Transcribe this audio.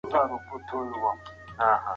د اوبو مقاومت د تمرین شدت زیاتوي.